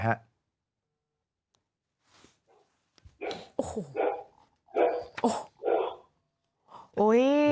โอ้โห